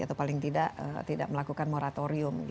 atau paling tidak tidak melakukan moratorium